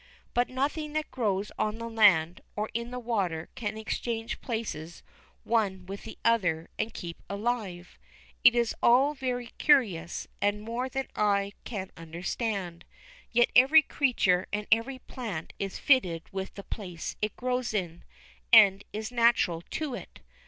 But nothing that grows on the land, or in the water, can exchange places one with the other and keep alive. It is all very curious, and more than I can understand. Yet every creature and every plant is fitted to the place it grows in, and is natural to it.